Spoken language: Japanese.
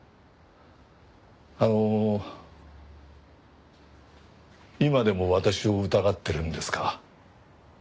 あの今でも私を疑っているんですか？